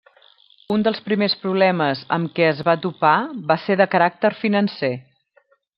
Un dels primers problemes amb què es va topar va ser de caràcter financer.